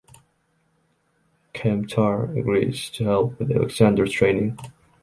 K'Mtar agrees to help with Alexander’s training.